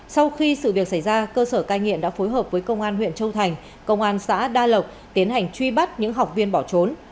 sau khi sự việc xảy ra cơ sở cai nghiện đã phối hợp với công an huyện châu thành công an xã đa lộc tiến hành truy bắt những học viên bỏ trốn